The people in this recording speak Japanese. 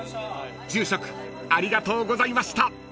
住職ありがとうございました］